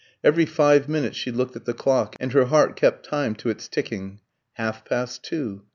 Every five minutes she looked at the clock, and her heart kept time to its ticking. Half past two.